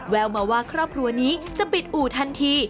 แววมาว่าครอบครัวนี้จะปิดอู่ทันที